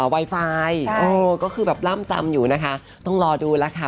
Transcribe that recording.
ไวไฟก็คือแบบร่ำจำอยู่นะคะต้องรอดูแล้วค่ะ